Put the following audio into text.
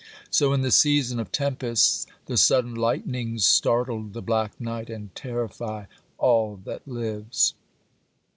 So, in the season of tempests, the sudden lightnings startle the black night and terrify all that lives.